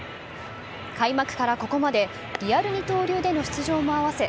開幕からここまでリアル二刀流での出場も合わせ、